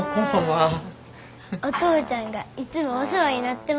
お父ちゃんがいつもお世話になってます。